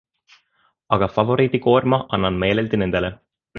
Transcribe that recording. Aga favoriidikoorma annan meeleldi nendele.